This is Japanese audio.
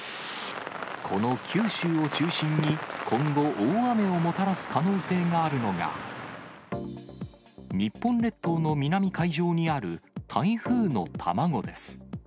この九州を中心に今後、大雨をもたらす可能性があるのが、日本列島の南海上にある台風の卵です。